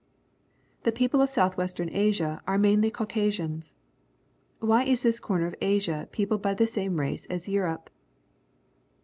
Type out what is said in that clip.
The people of South western Asia are main ly Caucasians. Why is this corner of Asia peopled by the same race as Europe?